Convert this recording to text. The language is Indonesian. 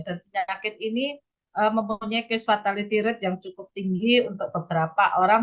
dan penyakit ini mempunyai case fatality rate yang cukup tinggi untuk beberapa orang